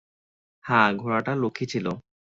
হ্যাঁ, ঘোড়াটা লক্ষ্মী ছিল।